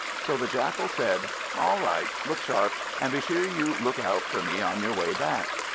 So the Jackal said "All right, look sharp, and be sure you look out for me on your way back."